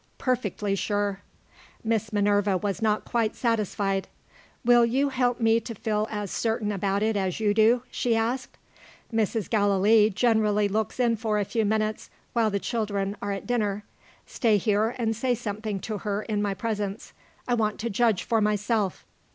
"Perfectly sure." Miss Minerva was not quite satisfied. "Will you help me to feel as certain about it as you do?" she asked. "Mrs. Gallilee generally looks in for a few minutes, while the children are at dinner. Stay here, and say something to her in my presence. I want to judge for myself."